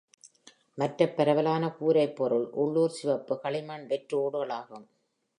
மற்ற பரவலான கூரை பொருள் உள்ளூர் சிவப்பு களிமண் வெற்று ஓடுகள் ஆகும்.